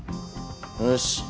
よし。